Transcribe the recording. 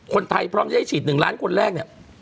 คนไทยพร้อมจะได้ฉีด๑ล้านคนแรก